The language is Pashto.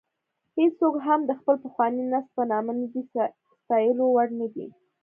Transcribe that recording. هېڅوک هم د خپل پخواني نسب په نامه د ستایلو وړ نه دی.